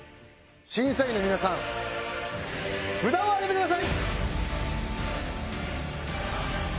審査員の皆さん札を挙げてください。